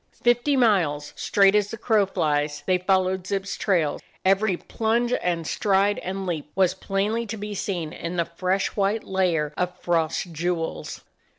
Fifty miles, straight as the crow flies, they followed Zip's trail. Every plunge and stride and leap was plainly to be seen in the fresh white layer of frost jewels.